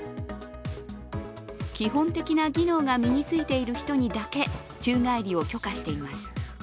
基本的な技能が身についている人にだけ宙返りを許可しています。